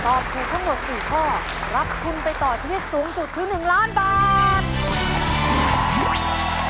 ตอบถูกทั้งหมด๔ข้อรับทุนไปต่อชีวิตสูงสุดคือ๑ล้านบาท